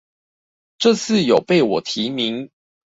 這次有被我提名